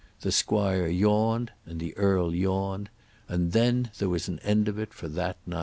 The squire yawned, and the earl yawned, and then there was an end of it for that night.